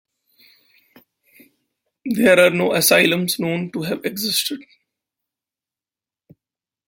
There are no asylums known to have existed.